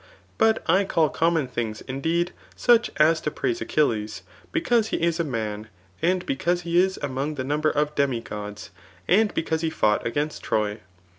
But I call common thmgs, indeed, such as to praise Achilles, because he is a man, and because he is among the number of demigods, and because he fougbl j^;ainst Troy.